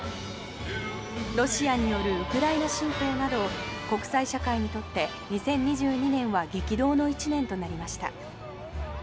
ロシアによるウクライナ侵攻など国際社会にとって２０２２年は激動の１年となりました。